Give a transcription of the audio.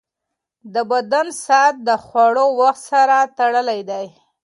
د بدن ساعت د خوړو وخت سره تړلی دی.